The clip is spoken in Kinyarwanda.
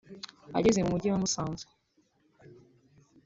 Ageze mu Mujyi wa Musanze